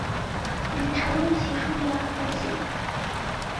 与陈瑞祺书院联系。